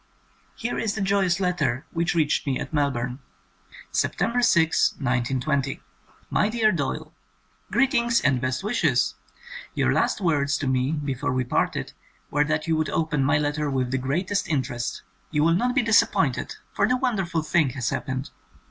Here is the joyous letter which reached me at Melbourne : 94 THE SECOND SERIES September 6, 1920. My dear Doyle, Greetings and best wishes I Your last words to me before we parted were that you would open my letter with the greatest in terest. You will not be disappointed — for the wonderful thing has happened